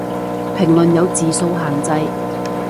評論有字數限制